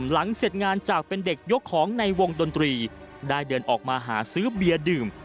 หลังเสร็จงานจากเป็นเด็กยกของในวงดนตรีได้เดินออกมาหาซื้อเบียร์ดื่ม